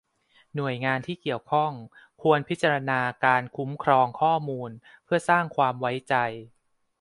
หน่วยงานที่เกี่ยวข้องควรพิจารณาการคุ้มครองข้อมูล เพื่อสร้างความไว้ใจ